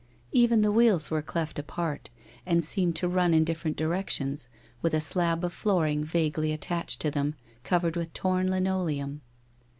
Even the wheels were cleft apart and seemed to run in different directions, with a slab of flooring vaguely attached to them, covered with torn lineoleum.